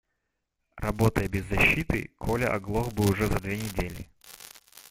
Работая без защиты, Коля оглох бы уже за две недели.